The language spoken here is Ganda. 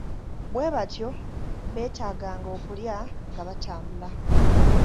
Bwe batyo beetaaganga okulya nga batambula.